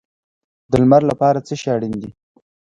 د لمر لپاره څه شی اړین دی؟